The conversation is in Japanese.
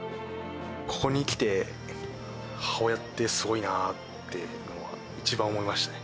ここに来て、母親ってすごいなってのは、一番思いましたね。